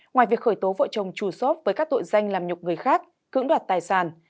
ngoài việc khởi tố vợ chồng trù xốp với các tội danh làm nhục người khác cưỡng đoạt tài sản